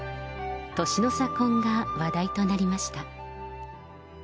年の差婚が話題となりました。